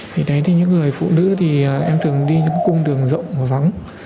thì đấy thì những người phụ nữ thì em thường đi những cung đường rộng và vắng